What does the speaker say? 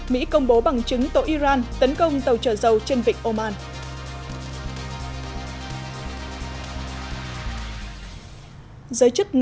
mỹ công bố bằng chứng tội iran tấn công tàu trợ dầu trên vịnh omar